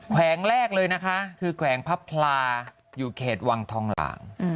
แขวงแรกเลยนะคะคือแขวงพระพลาอยู่เขตวังทองหลาง